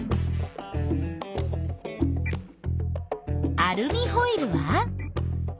アルミホイルは？